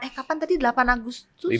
eh kapan tadi delapan agustus